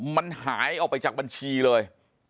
มันหายออกไปจากบัญชีเลย